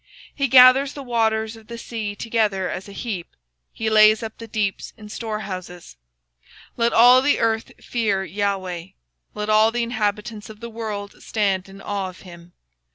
He gathereth the waters of the sea together as an heap: He layeth up the depth in storehouses. Let all the earth fear the LORD: Let all the inhabitants of the world stand in awe of him.